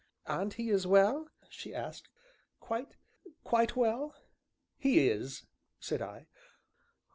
'" "And he is well?" she asked; "quite quite well?" "He is," said I.